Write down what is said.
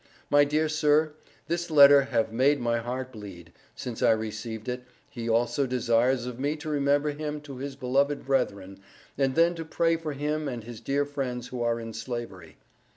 My dear Sir, this letter have made my heart Bleed, since I Received it, he also desires of me to remember him to his beloved Brethren and then to Pray for him and his dear friends who are in Slavery.